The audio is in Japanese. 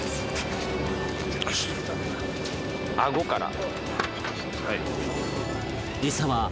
あごから。